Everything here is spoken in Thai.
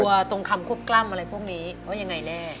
ตรงคำควบกล้ำอะไรพวกนี้ว่ายังไงแน่